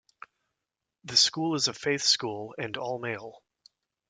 The school is a faith school and all-male.